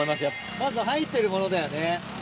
まず入ってるものだよね。